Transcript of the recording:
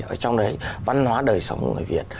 ở trong đấy văn hóa đời sống của người việt